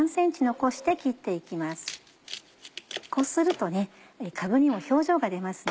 こうするとかぶにも表情が出ますね。